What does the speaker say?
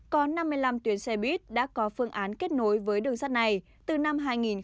có năm mươi năm tuyến xe buýt đã có phương án kết nối với đường sắt này từ năm hai nghìn một mươi sáu